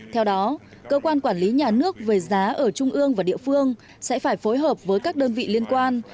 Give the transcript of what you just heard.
theo đó cơ quan quản lý nhà nước về giá ở trung ương và địa phương sẽ phải phối hợp với các đơn vị liên quan